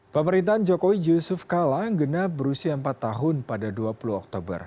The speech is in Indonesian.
pemerintahan jokowi yusuf kalang genap berusia empat tahun pada dua puluh oktober